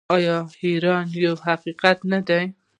آیا ایران یو حقیقت نه دی؟